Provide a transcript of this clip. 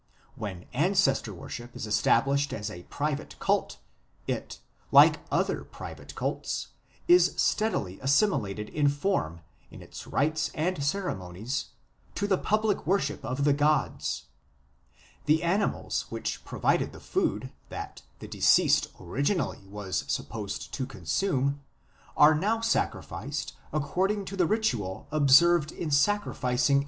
... When Ancestor worship is established as a private cult, it, like other private cults, is steadily assimilated in form, in its rites and ceremonies, to the public worship of the gods. The animals which provided the food that the deceased originally was supposed to consume are now sacrificed according to the ritual observed in sacrificing 1 Introduction to the History of Religion (3rd ed.)